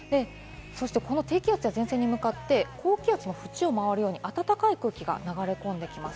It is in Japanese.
この低気圧や前線に向かって高気圧の縁を回るように暖かい空気が流れ込んできます。